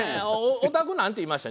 おたくなんて言いました？